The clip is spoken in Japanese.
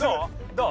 どう？